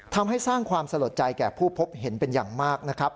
ทำให้สร้างความสลดใจแก่ผู้พบเห็นเป็นอย่างมากนะครับ